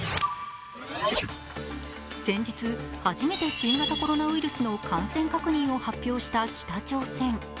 先日、初めて新型コロナウイルスの感染確認を発表した北朝鮮。